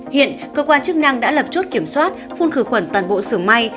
hiện cơ quan chức năng đã lập chốt kiểm soát phun khử khuẩn toàn bộ sưởng may